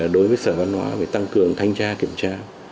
đối với sở văn hóa về tăng cường thanh tra kiểm tra